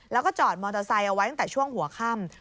แล้วก็จอดมอเตอร์ไซค์เอาไว้ตั้งแต่ช่วงหัวค่ำ